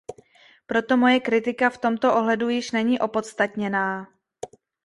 Proto moje kritika v tomto ohledu již není opodstatněná.